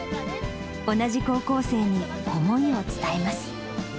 同じ高校生に思いを伝えます。